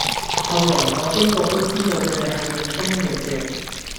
後來我經過都知道佢哋係用中藥嘅，